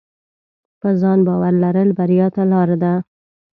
په ځان باور لرل بریا ته لار ده.